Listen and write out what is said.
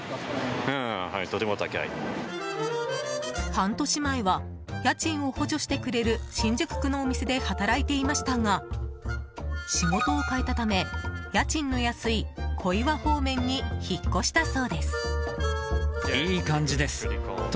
半年前は家賃を補助してくれる新宿区のお店で働いていましたが仕事を変えたため、家賃の安い小岩方面に引っ越したそうです。